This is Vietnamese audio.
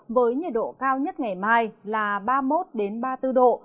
với nhiệt độ cao nhất ngày mai là ba mươi một ba mươi bốn độ